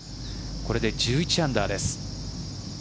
これで１１アンダーです。